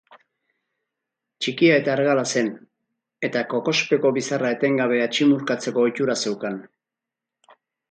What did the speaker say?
Txikia eta argala zen, eta kokospeko bizarra etengabe atximurkatzeko ohitura zeukan.